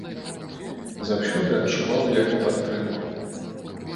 Заўсёды адчуваў яго падтрымку.